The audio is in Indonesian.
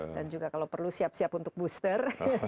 dan juga kalau perlu siap siap untuk booster